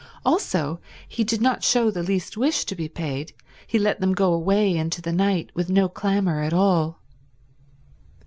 Also, he did not show the least wish to be paid; he let them go away into the night with no clamour at all.